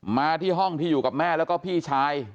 มาที่ห้องที่อยู่กับแม่แล้วก็พี่ชาย